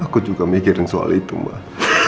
aku juga mikirin soal itu mbak